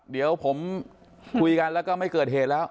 เดี๋ยวผมคุยกันแล้วก็ไม่เกิดเหตุแล้ว